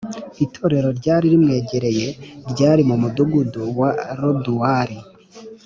Itorero ryari rimwegereye ryari mu mudugudu wa Loduwari